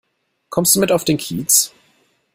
Kommst du mit auf den Kiez?